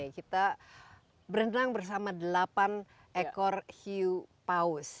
kita berenang bersama delapan ekor hiu paus